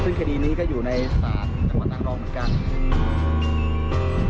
ซึ่งคดีนี้ก็อยู่ในศาสตร์เฉพาะนางรองเหมือนกัน